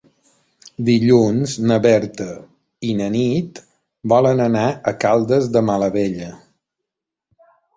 Dilluns na Berta i na Nit volen anar a Caldes de Malavella.